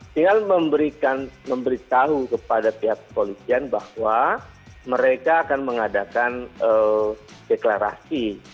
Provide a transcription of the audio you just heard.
tinggal memberitahu kepada pihak kepolisian bahwa mereka akan mengadakan deklarasi